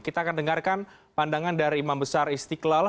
kita akan dengarkan pandangan dari imam besar istiqlal